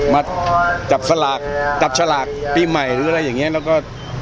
มากับสลากปีใหม่ตลอดแล้วก็